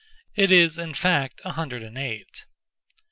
It is, in fact, a hundred and eight.